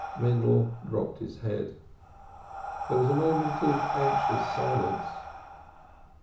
Mendel dropped his head. There was a moment of anxious silence.